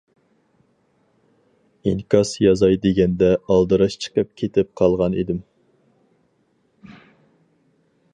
ئىنكاس يازاي دېگەندە ئالدىراش چىقىپ كېتىپ قالغان ئىدىم.